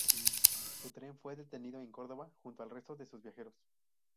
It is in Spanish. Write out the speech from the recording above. Su tren fue detenido en Córdoba junto al resto de sus viajeros.